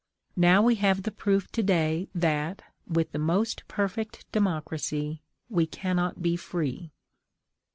Now, we have the proof to day that, with the most perfect democracy, we cannot be free.